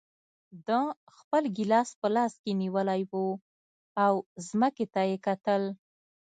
ده خپل ګیلاس په لاس کې نیولی و او ځمکې ته یې کتل.